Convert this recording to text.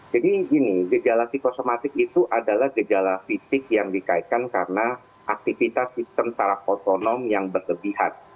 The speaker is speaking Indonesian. jadi ini gejala psikosomatik itu adalah gejala fisik yang dikaitkan karena aktivitas sistem sarap otonom yang berlebihan